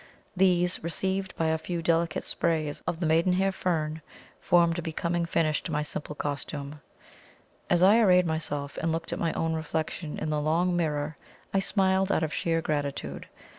These, relieved by a few delicate sprays of the maiden hair fern, formed a becoming finish to my simple costume. As I arrayed myself, and looked at my own reflection in the long mirror, I smiled out of sheer gratitude.